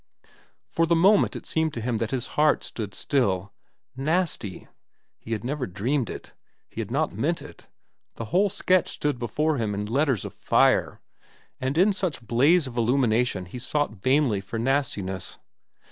For the moment it seemed to him that his heart stood still. Nasty! He had never dreamed it. He had not meant it. The whole sketch stood before him in letters of fire, and in such blaze of illumination he sought vainly for nastiness.